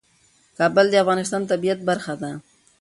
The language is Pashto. کابل د افغانستان د طبیعت برخه ده.